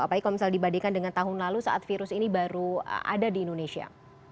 apalagi kalau misalnya dibandingkan dengan tahun lalu saat virus ini baru ada di indonesia